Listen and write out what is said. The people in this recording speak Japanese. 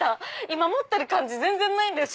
今持ってる感じ全然ないです。